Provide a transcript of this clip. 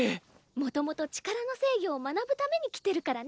もともと力の制御を学ぶために来てるからね。